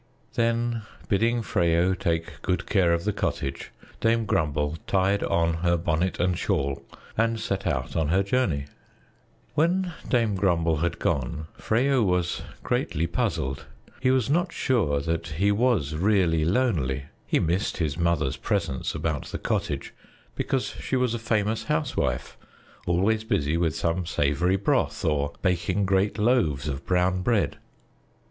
Then, bidding Freyo take good care of the cottage, Dame Grumble tied on her bonnet and shawl and set out on her journey. When Dame Grumble had gone, Freyo was greatly puzzled. He was not sure that he was really lonely. He missed his mother's presence about the cottage because she was a famous housewife, always busy with some savory broth, or baking great loaves of brown bread.